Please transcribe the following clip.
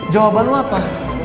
jawaban lu apa